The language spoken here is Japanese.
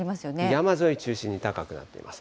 山沿いを中心に高くなっています。